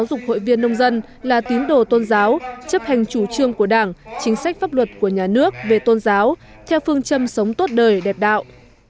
qua đó tăng cường công tác giáo dục hội viên nông dân là tín đồ tôn giáo chấp hành chủ trương của đảng chính sách pháp luật của nhà nước về tôn giáo theo phương châm sống tốt đời đẹp đạo